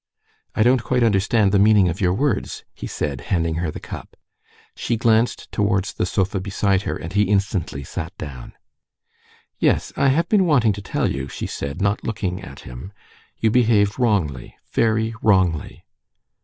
"I don't quite understand the meaning of your words," he said, handing her the cup. She glanced towards the sofa beside her, and he instantly sat down. "Yes, I have been wanting to tell you," she said, not looking at him. "You behaved wrongly, very wrongly."